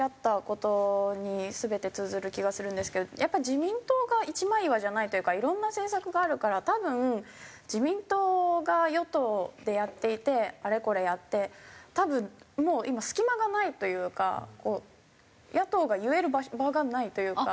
自民党が一枚岩じゃないというかいろんな政策があるから多分自民党が与党でやっていてあれこれやって多分もう今隙間がないというか野党が言える場がないというか。